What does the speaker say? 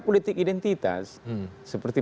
politik identitas seperti